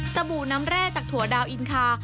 บู่น้ำแร่จากถั่วดาวอินคา